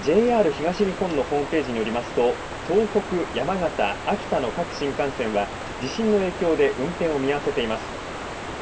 ＪＲ東日本のホームページによりますと東北、山形、秋田の各新幹線は地震の影響で運転を見合わせています。